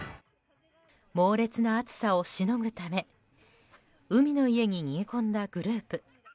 猛烈な暑さをしのぐため海の家に逃げ込んだグループ。